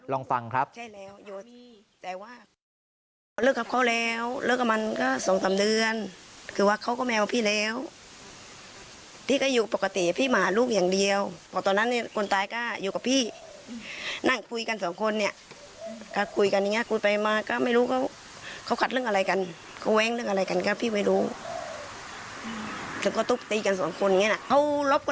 ลองฟังครับ